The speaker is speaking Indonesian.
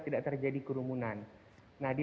tidak terjadi kerumunan nah di